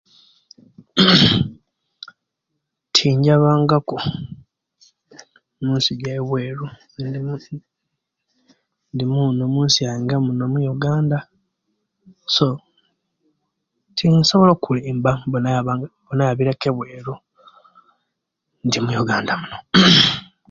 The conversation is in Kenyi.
Tinjabangaku munsi jebweru nze ndi munsi ndi munu munsiyange munu omu'yuganda so tinsobola okulimaba mabu nayabire ku ebweru ndi muyuganda munu